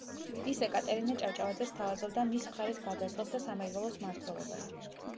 ის ეკატერინე ჭავჭავაძეს სთავაზობდა მის მხარეს გადასვლას და სამეგრელოს მმართველობას.